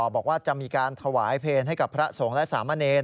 บอกว่าจะมีการถวายเพลงให้กับพระสงฆ์และสามเณร